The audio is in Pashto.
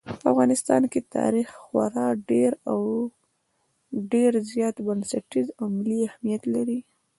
په افغانستان کې تاریخ خورا ډېر او ډېر زیات بنسټیز او ملي اهمیت لري.